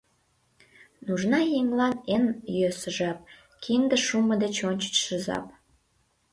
Нужна еҥлан эн йӧсӧ жап — кинде шумо деч ончычсо жап.